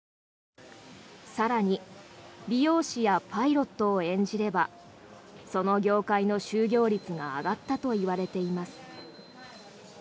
更に、美容師やパイロットを演じればその業界の就業率が上がったといわれています。